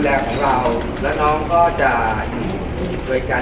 เกี่ยวกับความควบคุมในการควบคุม